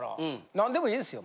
何でもいいですよ。